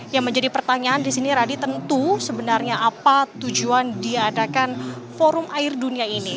yang menjadi pertanyaan di sini radi tentu sebenarnya apa tujuan diadakan forum air dunia ini